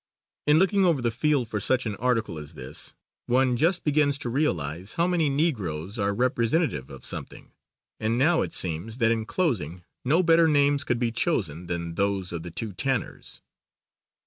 In looking over the field for such an article as this, one just begins to realize how many Negroes are representative of something, and now it seems that in closing no better names could be chosen than those of the two Tanners.